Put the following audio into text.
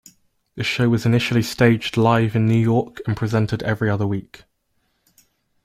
The show was initially staged live in New York and presented every other week.